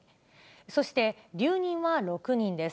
そして、留任は６人です。